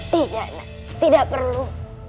tidak tidak perlu